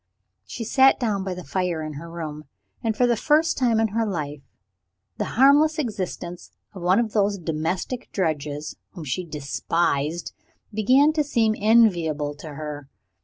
She sat down by the fire in her room, and for the first time in her life, the harmless existence of one of those domestic drudges whom she despised began to seem enviable to her.